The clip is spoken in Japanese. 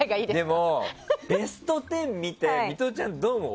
でも、ベスト１０見てミトちゃん、どう思う？